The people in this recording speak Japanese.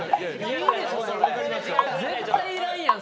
絶対いらんやん